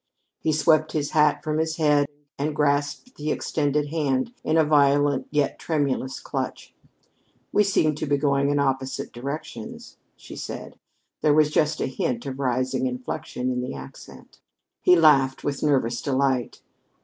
He swept his hat from his head and grasped the extended hand in a violent yet tremulous clutch. "We seem to be going in opposite directions," she said. There was just a hint of a rising inflection in the accent. He laughed with nervous delight.